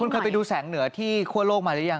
คุณเคยไปดูแสงเหนือที่คั่วโลกมาหรือยัง